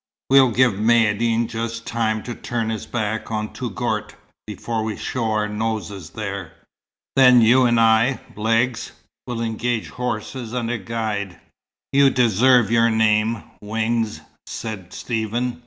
"We'll give Maïeddine just time to turn his back on Touggourt, before we show our noses there. Then you and I, Legs, will engage horses and a guide." "You deserve your name, Wings," said Stephen.